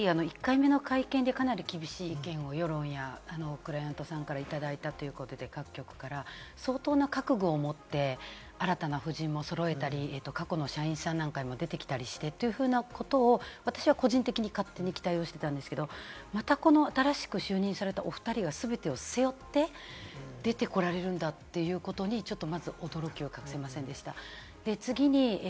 １回目の会見で、かなり厳しい意見を世論やクライアントさんからいただいたということで、各局から相当な覚悟を持って、新たな布陣を揃えたり、過去の社員さんなんかにも出てきたりして、ということを私は個人的に勝手に期待してたんですけれども、またこの新しく就任されたおふたりが全てを背負って出てこられるんだということに、ちょっとまず驚きを隠せませんでした。